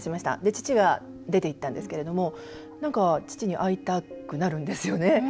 父が出ていったんですけれども父に会いたくなるんですよね。